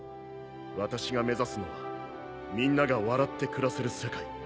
私が目指すのはみんなが笑って暮らせる世